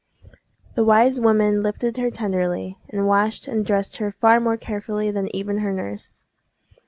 The wise woman lifted her tenderly, and washed and dressed her far more carefully than even her nurse.